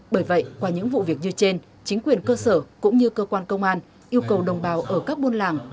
bởi vậy qua những vụ việc như trên chính quyền cơ sở cũng như cơ quan công an yêu cầu đồng bào ở các buôn làng